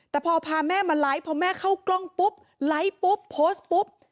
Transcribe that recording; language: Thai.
แต่พอพาแม่มาไลฟ์พอแม่เข้ากล้องปุ๊บไลฟ์ปุ๊บโพสต์ปุ๊บ